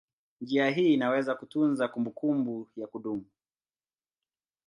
Njia hii inaweza kutunza kumbukumbu ya kudumu.